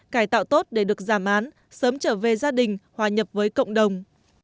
cải tạo tốt để được giảm án sớm trở về gia đình hòa nhập với cộng đồng